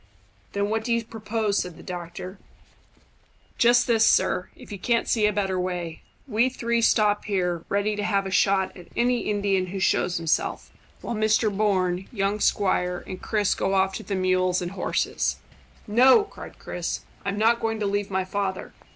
"Then what do you propose?" said the doctor. "Just this, sir, if you can't see a better way. We three stop here, ready to have a shot at any Indian who shows himself, while Mr Bourne, young squire, and Chris go off to the mules and horses." "No," cried Chris; "I'm not going to leave my father."